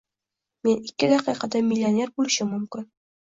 - Men ikki daqiqada millioner bo‘lishim mumkin.